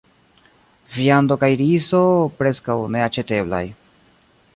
Viando kaj rizo preskaŭ neaĉeteblaj.